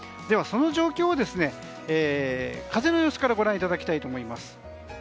では、その状況を風の様子からご覧いただきたいと思います。